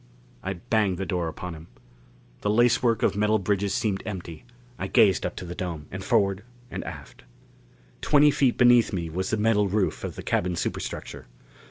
I banged the door upon him. The lacework of metal bridges seemed empty. I gazed up to the dome, and forward and aft. Twenty feet beneath me was the metal roof of the cabin superstructure.